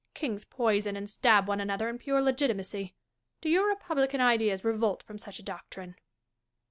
Kings poison and stab one another in pure legitimacy. Do your republican ideas revolt from such a doctrine